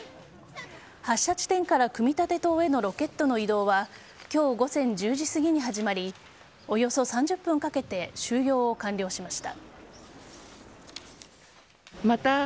発射地点から組み立て棟へのロケットの移動は今日午前１０時すぎに始まりおよそ３０分かけて収容を完了しました。